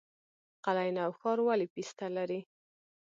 قلعه نو ښار ولې پسته لري؟